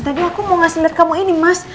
tapi aku mau ngasih liat kamu ini mas